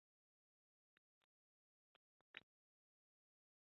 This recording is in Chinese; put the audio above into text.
沼鼠耳蝠为蝙蝠科鼠耳蝠属的动物。